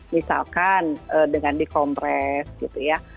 misalkan dengan dikompres gitu ya